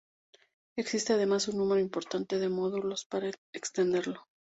Existe además un número importante de módulos para extenderlo.